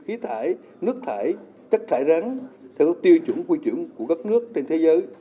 khí thải nước thải chất thải rắn theo các tiêu chuẩn quy chuẩn của các nước trên thế giới